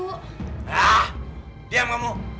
hah diam kamu